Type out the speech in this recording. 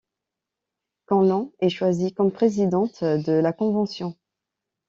Conlan est choisie comme présidente de la convention.